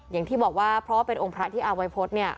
อย่างที่บอกว่าเพราะว่าเป็นองค์พระที่อาวัยพฤษเนี่ย